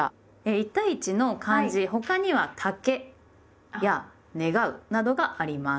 １対１の漢字他には「竹」や「『願』う」などがあります。